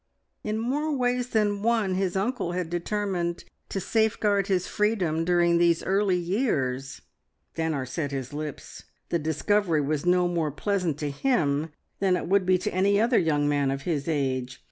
In more ways than one his uncle had determined to safeguard his freedom during these early years! Stanor set his lips. The discovery was no more pleasant to him than it would be to any other young man of his age.